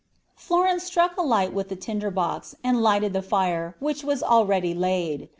"Florence struck a light with the tinder box, and lighted the fire, which was already laid.